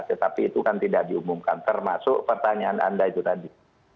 tetapi itu kan tidak diumumkan termasuk pertanyaan anda itu tadi